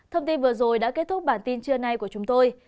thông tin vừa rồi đã kết thúc bản tin trưa nay của chúng tôi